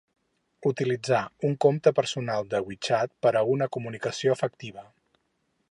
Utilitzar un compte personal de WeChat per a una comunicació efectiva.